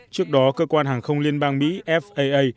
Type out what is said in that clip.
trước đó cơ quan hàng không liên bang mỹ faa